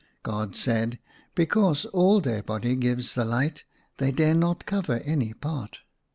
God said, '* Because all their body gives the light ; they dare not cover any part.